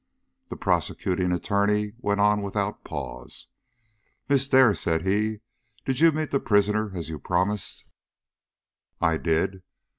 The Prosecuting Attorney went on without pause: "Miss Dare," said he, "did you meet the prisoner as you promised?" "I did."